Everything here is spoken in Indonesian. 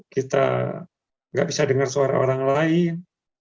kita nggak bisa dengar suara orang lain